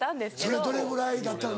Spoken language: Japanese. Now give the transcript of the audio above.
それどれぐらいだったの？